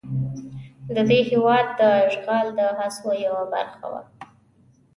د دې هېواد د اشغال د هڅو یوه برخه وه.